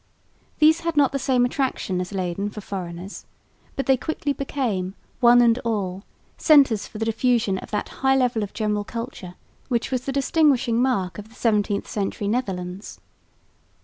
These had not the same attraction as Leyden for foreigners, but they quickly became, one and all, centres for the diffusion of that high level of general culture which was the distinguishing mark of the 17th century Netherlands.